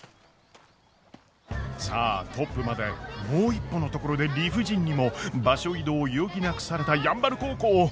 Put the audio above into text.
さあトップまでもう一歩のところで理不尽にも場所移動を余儀なくされた山原高校。